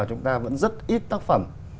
chúng ta vẫn rất ít tác phẩm